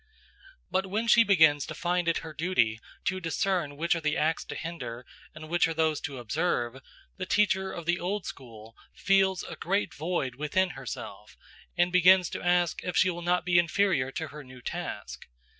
But when she begins to find it her duty to discern which are the acts to hinder and which are those to observe, the teacher of the old school feels a great void within herself and begins to ask if she will not be inferior to her new task.